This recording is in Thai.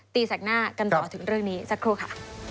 แสกหน้ากันต่อถึงเรื่องนี้สักครู่ค่ะ